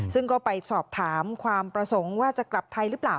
ซึ่งก็ไปสอบถามความประสงค์ว่าจะกลับไทยหรือเปล่า